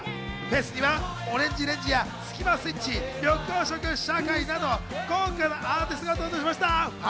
フェスにはＯＲＡＮＧＥＲＡＮＧＥやスキマスイッチ、緑黄色社会など豪華なアーティストが登場しました。